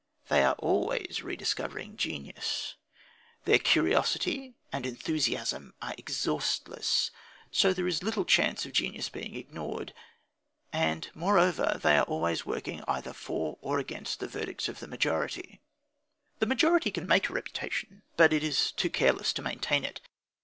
They are always rediscovering genius. Their curiosity and enthusiasm are exhaustless, so that there is little chance of genius being ignored. And, moreover, they are always working either for or against the verdicts of the majority. The majority can make a reputation, but it is too careless to maintain it.